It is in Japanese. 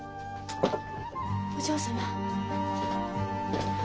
お嬢様。